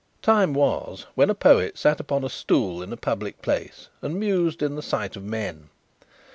Time was, when a poet sat upon a stool in a public place, and mused in the sight of men.